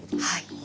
はい。